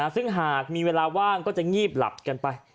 ซึ่งหากมีเวลาว่างก็จะงีบหลับกันไป